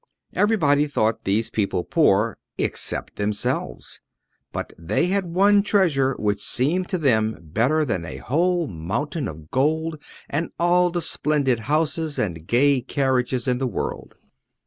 Every body thought these people poor except themselves; but they had one treasure which seemed to them better than a whole mountain of gold and all the splendid houses and gay carriages in the world.